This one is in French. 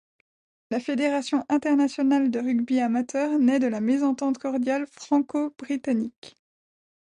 La Fédération internationale de rugby amateur naît de la mésentente cordiale franco-britannique.